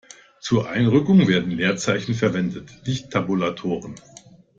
Zur Einrückung werden Leerzeichen verwendet, nicht Tabulatoren.